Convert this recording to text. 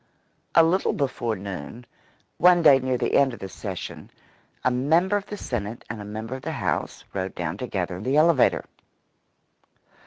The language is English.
A little before noon, one day near the end of the session, a member of the Senate and a member of the House rode down together in the elevator.